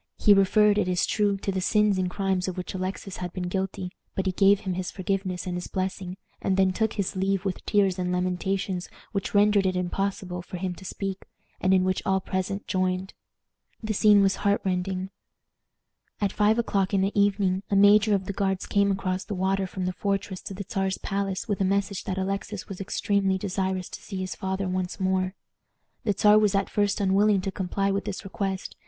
He referred, it is true, to the sins and crimes of which Alexis had been guilty, but he gave him his forgiveness and his blessing, and then took his leave with tears and lamentations which rendered it impossible for him to speak, and in which all present joined. The scene was heart rending. [Illustration: The Czar's visit to Alexis in prison.] At five o'clock in the evening a major of the Guards came across the water from the fortress to the Czar's palace with a message that Alexis was extremely desirous to see his father once more. The Czar was at first unwilling to comply with this request.